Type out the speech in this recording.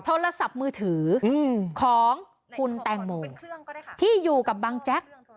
โทรศัพท์มือถือของคุณแตงโมที่อยู่กับบังแจ๊ก